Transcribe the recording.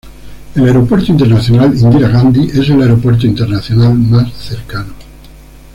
El Aeropuerto Internacional Indira Gandhi es el aeropuerto internacional más cercano.